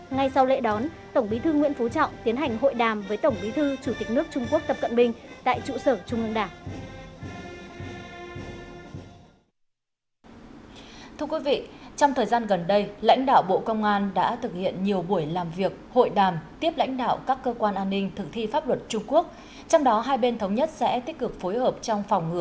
ngay sau lễ đón tổng bí thư nguyễn phú trọng tiến hành hội đàm với tổng bí thư chủ tịch nước trung quốc tập cận bình tại trụ sở trung ương đảng